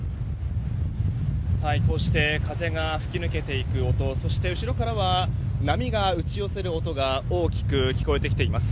こうして風が吹き抜けていく音そして、後ろからは波が打ち寄せる音が大きく聞こえてきています。